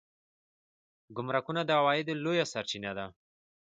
ګمرکونه د عوایدو لویه سرچینه ده